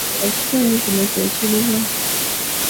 Ekitundu kino kye kiruwa?